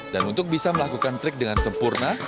dan untuk bisa melakukan trik dengan sempurna